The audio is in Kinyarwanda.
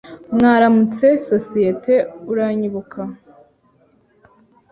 Mwaramutse societe, uranyibuka?